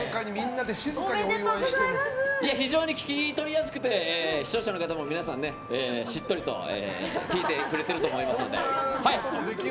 非常に聞き取りやすくて視聴者の方も皆さんね、しっとりと聞いてくれていると思います。